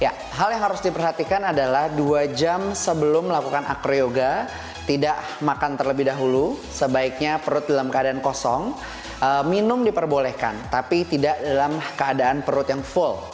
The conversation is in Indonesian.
ya hal yang harus diperhatikan adalah dua jam sebelum melakukan acroyoga tidak makan terlebih dahulu sebaiknya perut dalam keadaan kosong minum diperbolehkan tapi tidak dalam keadaan perut yang full